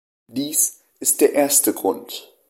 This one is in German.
Dies ist der erste Grund.